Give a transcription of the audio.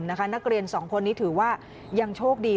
นักเรียนสองคนนี้ถือว่ายังโชคดี